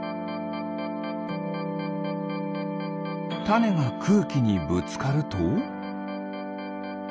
タネがくうきにぶつかると。